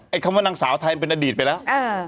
ไอ้คำว่าหนังสาวไทยอันเป็นอดีตไปแล้ว